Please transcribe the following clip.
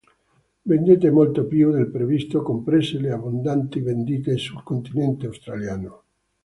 Vendette molto più del previsto, comprese le abbondanti vendite sul continente australiano.